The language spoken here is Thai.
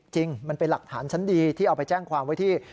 จริงมันเป็นหลักฐานชั้นดีที่เอาไปแจ้งความไว้ที่